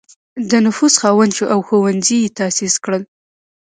د نفوذ خاوند شو او ښوونځي یې تأسیس کړل.